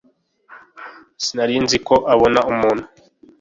Sinari nzi ko ubona umuntu